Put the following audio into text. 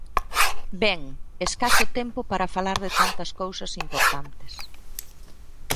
Ben, escaso tempo para falar de tantas cousas importantes.